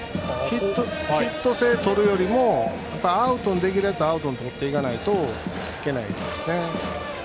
ヒット性をとるよりもアウトにできるやつをアウトに持っていかないといけないですね。